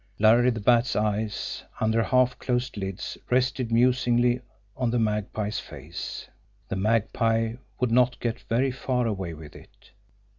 Larry the Bat's eyes, under half closed lids, rested musingly on the Magpie's face. The Magpie would not get very far away with it!